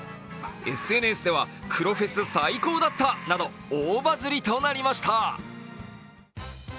ＳＮＳでは黒フェス最高だったなど大バズりとなりました。